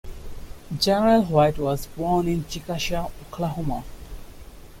General White was born in Chickasha, Oklahoma.